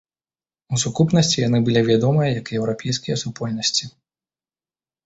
У сукупнасці яны былі вядомыя як еўрапейскія супольнасці.